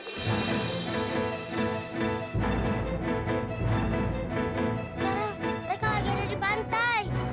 zara mereka lagi ada di pantai